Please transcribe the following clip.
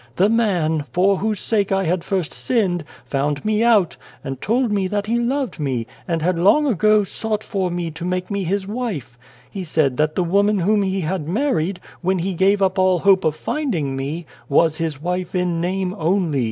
The man, for whose sake I had first sinned, found me out, and told me that he loved me, and had long ago sought for me, to make me his wife. He said that the woman whom he had married, when he gave up all hope of finding me, was his wife in name only.